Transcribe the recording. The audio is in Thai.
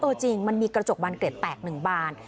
เออจริงแล้วมันมีกระจกบานเกล็ดแตก๑บาน